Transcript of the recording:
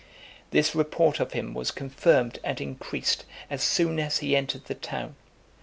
This report of him was confirmed and increased, as soon as he entered the town.